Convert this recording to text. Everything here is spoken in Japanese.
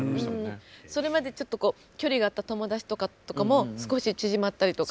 それまでちょっと距離があった友達とかとも少し縮まったりとか。